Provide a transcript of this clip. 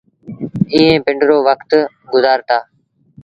ايئين پنڊرو وکت گزآرتآ۔